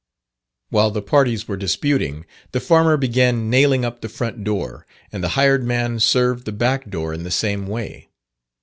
While the parties were disputing, the farmer began nailing up the front door, and the hired man served the back door in the same way.